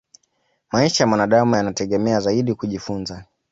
maisha ya mwanadamu yanategemea zaidi kujifunza